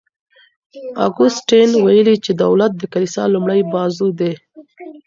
اګوستین ویلي چي دولت د کلیسا لومړی بازو دی.